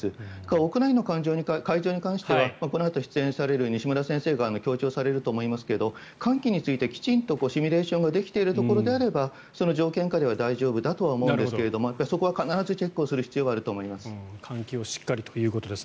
屋内の会場に関してはこのあと出演される西村先生が強調されると思いますが換気についてきちんとシミュレーションができているところであればその条件下では大丈夫だと思うんですがそこは必ずチェックをする必要があると思います。